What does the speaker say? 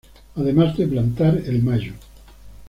Además de plantar El Mayo.